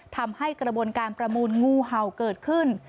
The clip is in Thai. ทำให้กระบวนการประมูลงูเห่าเกิดขึ้น